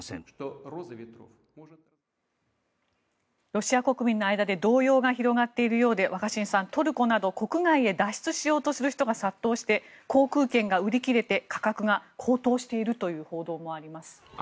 ロシア国民の間で動揺が広がっているようで若新さん、トルコなど国外へ脱出しようとする人が殺到して航空券が売り切れて価格が高騰しているという報道もあります。